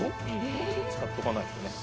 ここで使っとかないとね。